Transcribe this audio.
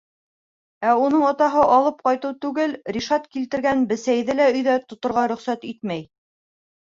Ә уның атаһы алып ҡайтыу түгел, Ришат килтергән бесәйҙе лә өйҙә тоторға рөхсәт итмәй.